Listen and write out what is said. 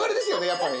やっぱり。